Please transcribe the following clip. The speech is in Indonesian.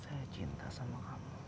saya cinta denganmu